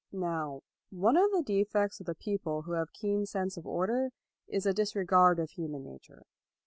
Now one of the defects of the people who have a keen sense of order is a dis 226 LAUD regard of human nature.